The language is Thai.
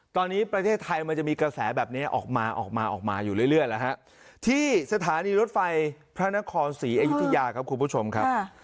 ตอนนี้ประเทศไทยมันจะมีกระแสแบบนี้ออกมาออกมาออกมาอยู่เรื่อยแล้วฮะที่สถานีรถไฟพระนครศรีอยุธยาครับคุณผู้ชมครับ